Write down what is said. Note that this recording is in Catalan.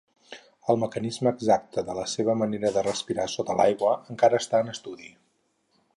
El mecanisme exacte de la seva manera de respirar sota l'aigua encara està en estudi.